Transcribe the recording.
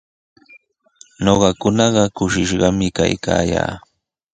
Ñuqakunaqa kushishqami kaykaayaa.